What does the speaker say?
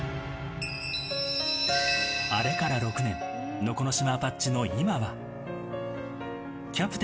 あれから６年、能古島アパッチの今は。